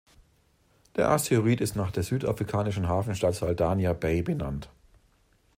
Der Asteroid ist nach der südafrikanischen Hafenstadt Saldanha Bay benannt.